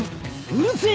うるせぇ！